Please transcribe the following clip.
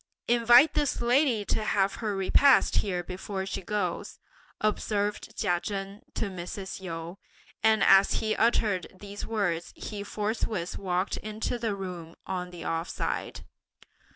"Invite this lady to have her repast here before she goes," observed Chia Chen to Mrs. Yu; and as he uttered these words he forthwith walked into the room on the off side.